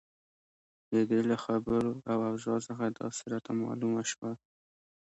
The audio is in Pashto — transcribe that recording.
د دې له خبرو او اوضاع څخه داسې راته معلومه شوه.